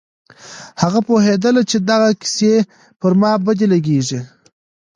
هغه پوهېدله چې دغه کيسې پر ما بدې لگېږي.